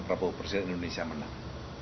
prabowo presiden indonesia menang